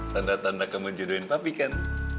tanda tanda kamu juduin papi kan